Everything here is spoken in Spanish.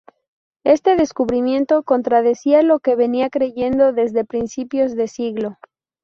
Este descubrimiento contradecía lo que se venía creyendo desde principios de siglo.